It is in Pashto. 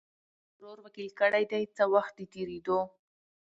ورور وکیل کړي دی څه وخت د تېریدو